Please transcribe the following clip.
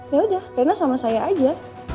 yaudah reina sama saya aja